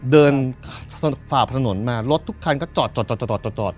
เดินฝ่าผ่านถนนมารถทุกคนก็จอดจอดจอดจอดจอดจอด